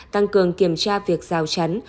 tăng cường kiểm tra việc rào chắn